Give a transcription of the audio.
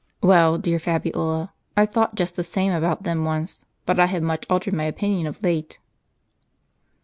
"Well, dear Fabiola, I thought just the same about them once, but I have much altered my opinion of late."